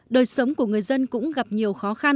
đời sống của người dân cũng gặp nhiều khó khăn